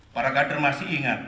para kader masih ingat